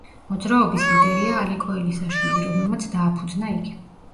მოძრაობის ლიდერია ალეკო ელისაშვილი რომელმაც დააფუძნა იგი.